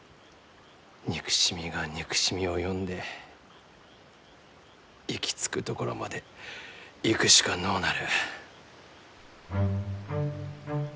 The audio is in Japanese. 憎しみが憎しみを呼んで行き着くところまで行くしかのうなる。